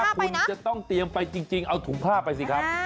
คุณจะต้องเตรียมไปจริงเอาถุงผ้าไปสิครับ